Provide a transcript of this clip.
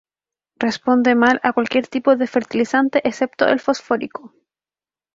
Responde mal a cualquier tipo de fertilizante excepto el fosfórico.